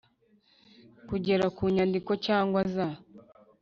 Kugera ku nyandiko cyangwa za